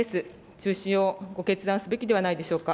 中止をご決断すべきではないでしょうか。